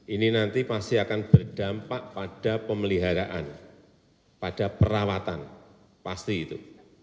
ini nanti pasti akan berdampak pada pemeliharaan pada perawatan pasti itu